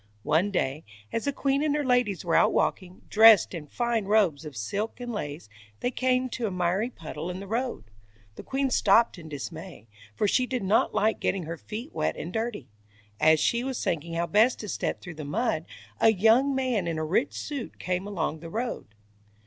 One day, as the queen and her ladies were out walking, dressed in fine robes of silk and lace, they came to a miry puddle in the road. The queen stopped in dismay, for she did not like getting her feet wet and dirty. As she was thinking how best to step through the mud, a young man in a rich suit came along the road.